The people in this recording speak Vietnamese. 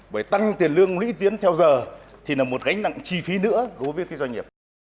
bởi tăng tiền lương lưỡi tiến theo giờ thì là một gánh nặng chi phí nữa của việc doanh nghiệp